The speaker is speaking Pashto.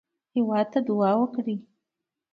هېواد ته دعا وکړئ